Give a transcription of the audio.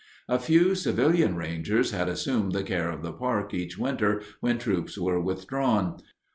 A few civilian rangers had assumed the care of the park each winter when troops were withdrawn.